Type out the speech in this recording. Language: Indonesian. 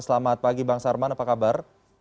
selamat pagi bang sarman apa kabar